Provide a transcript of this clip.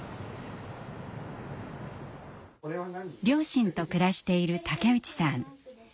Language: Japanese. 両親と暮らしている竹内さん。